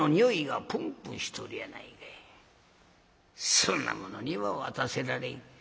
そんな者には渡せられん。